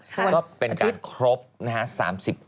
ก็เป็นการครบนะฮะ